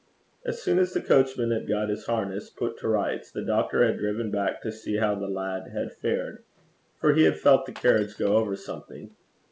As soon as the coachman had got his harness put to rights, the doctor had driven back to see how the lad had fared, for he had felt the carriage go over something.